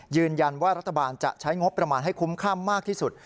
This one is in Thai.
ยืนยันว่ารัฐบาลจะใช้งบประมาณให้คุ้มค่ามากที่สุด